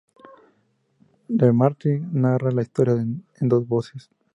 McCarthy narra la historia en dos voces.